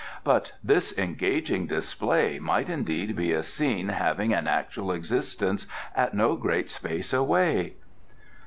But this engaging display might indeed be a scene having an actual existence at no great space away."